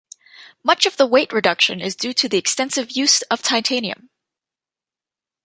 Much of the weight reduction is due to the extensive use of titanium.